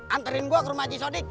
anterin gua ke rumah c sodik